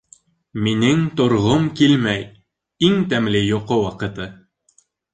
Минең торғом килмәй, иң тәмле йоҡо ваҡыты!